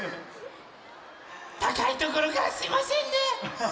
たかいところからすいませんね。